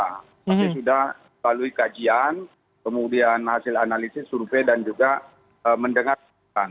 tapi sudah melalui kajian kemudian hasil analisis survei dan juga mendengarkan